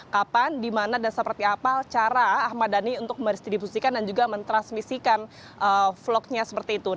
kapan dimana dan seperti apa cara ahmad dhani untuk meristribusikan dan juga mentransmisikan vlognya seperti itu